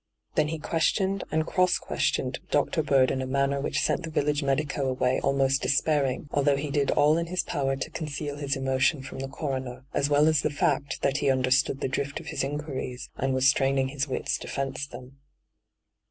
Then he questioned and cross questioned Dr. Bird in a manner which sent the village medico away almost despairing, although he did all in his power to conceal his emotion irom the coroner, as well as the &ot t^at he understood the drift of his inquiries and was straining his wits to fence them.